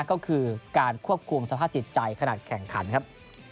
ก็คือการควบคุมสภาพจิตใจขนาดแข่งขันครับ